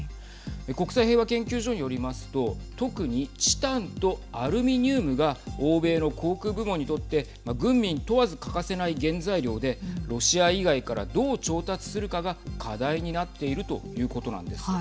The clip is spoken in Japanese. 国際平和研究所によりますと特に、チタンとアルミニウムが欧米の航空部門にとって軍民問わず欠かせない原材料でロシア以外からどう調達するかが課題になっているということなんです。